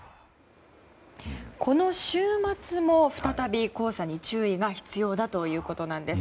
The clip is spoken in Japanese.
この週末も再び、黄砂に注意が必要だということです。